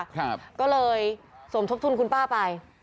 ครับก็เลยส่วนชบทุนคุณป้าไป